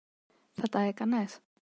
θα τα έκανες;